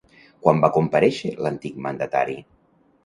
Quan va comparèixer l'antic mandatari?